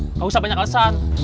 nggak usah banyak lesan